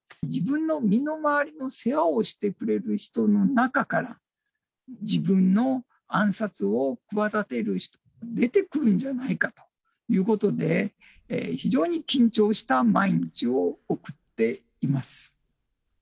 自分の身の回りの世話をしてくれる人の中から、自分の暗殺を企てる人が出てくるんじゃないかということで、非常に緊張した毎日を送っています。